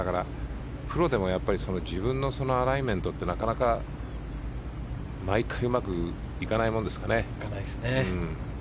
プロでも自分のアライメントってなかなか毎回うまくいかないものですかね。